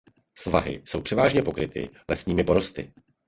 Svahy jsou převážně pokryty lesními porosty.